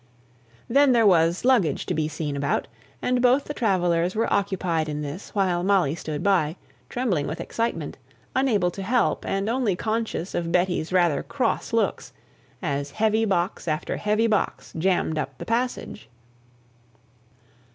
Then there was luggage to be seen about; and both the travellers were occupied in this, while Molly stood by trembling with excitement, unable to help, and only conscious of Betty's rather cross looks, as heavy box after heavy box jammed up the passage.